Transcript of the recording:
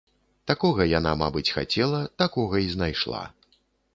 Такога яна, мабыць, хацела, такога і знайшла.